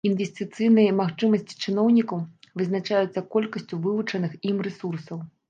Інвестыцыйныя магчымасці чыноўнікаў вызначаюцца колькасцю вылучаных ім рэсурсаў.